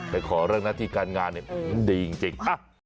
แต่ขอเรื่องหน้าที่การงานเนี่ยดีจริง